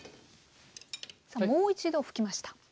さあもう一度拭きました。